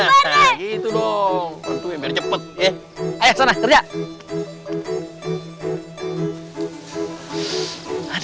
ya gitu dong cepet cepet